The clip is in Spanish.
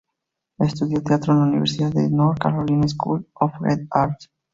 Estudió teatro en la Universidad de North Carolina School of the Arts.